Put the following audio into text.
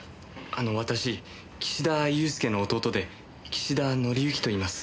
あの私岸田祐介の弟で岸田紀行といいます。